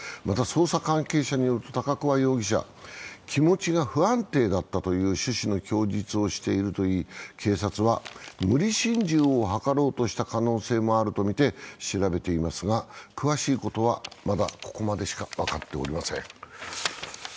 また捜査関係者によると高桑容疑者気持ちが不安定だったという趣旨の供述をしているとして警察は、無理心中を図ろうとした可能性もあるとみて調べていますが詳しいことは、まだここまでしか分かっておりません。